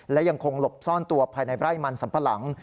และยังคงหลบซ่อนตัวภายในไร่มันสัมปะหลัง